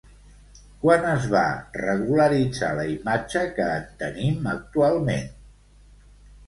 Quan es va regularitzar la imatge que en tenim actualment?